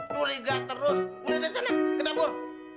puliga terus mulai dari sana ke tabur